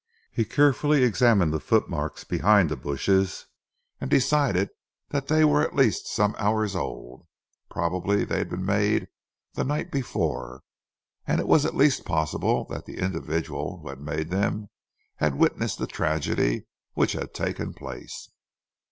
He carefully examined the footmarks behind the bushes, and decided that they were at least some hours old. Probably they had been made the night before, and it was at least possible that the individual who had made them had witnessed the tragedy which had taken place.